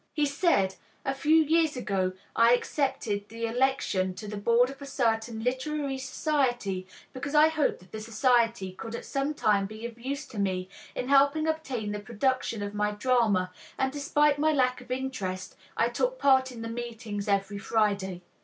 He said: "A few years ago I accepted the election to the board of a certain literary society, because I hoped that the society could at some time be of use to me in helping obtain the production of my drama, and, despite my lack of interest, I took part in the meetings every Friday.